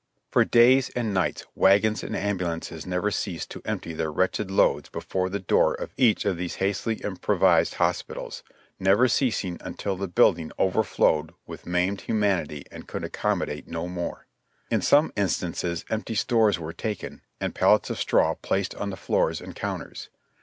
For days and nights wagons and ambulances never ceased to empty their wretched loads before the door of each of these hastily improvised hospitals, never ceasing until the building overflowed with maimed humanity and could accommodate no more. In some instances empty stores were taken, and pallets of straw placed on the floors and counters.